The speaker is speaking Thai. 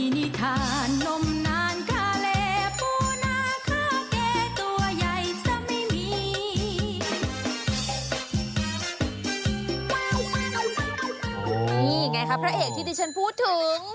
นี่ไงคะพระเอกที่ดิฉันพูดถึง